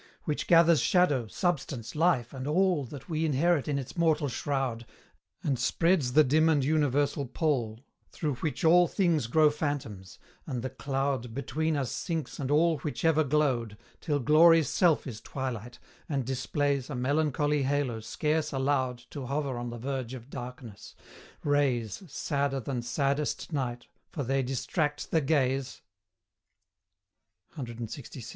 Which gathers shadow, substance, life, and all That we inherit in its mortal shroud, And spreads the dim and universal pall Thro' which all things grow phantoms; and the cloud Between us sinks and all which ever glowed, Till Glory's self is twilight, and displays A melancholy halo scarce allowed To hover on the verge of darkness; rays Sadder than saddest night, for they distract the gaze, CLXVI.